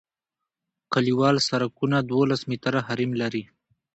کلیوال سرکونه دولس متره حریم لري